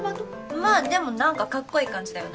まあでもなんかカッコいい感じだよね。